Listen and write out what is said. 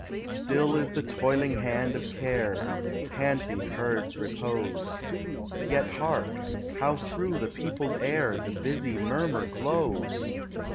Still is the toiling hand of care; The panting herds repose: 80 POEMS OF NATURE. Yet hark, how through the peopled air The busy murmur glows!